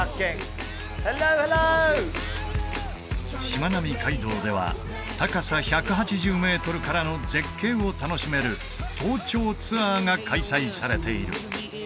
しまなみ海道では高さ１８０メートルからの絶景を楽しめる塔頂ツアーが開催されている